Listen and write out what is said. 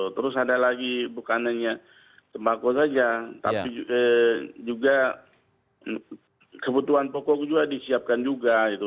terus ada lagi bukan hanya sembako saja tapi juga kebutuhan pokok juga disiapkan juga gitu